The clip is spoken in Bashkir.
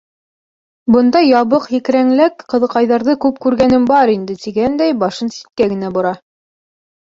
Бындай ябыҡ һикерәнләк ҡыҙыҡайҙарҙы күп күргәнем бар инде, тигәндәй башын ситкә генә бора.